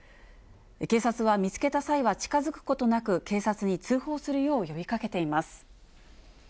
警察は見つけた際は近づくことなく警察に通報するよう呼びかけています。